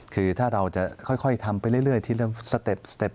คือถ้าเราจะค่อยทำไปเรื่อยที่เริ่มสเต็ป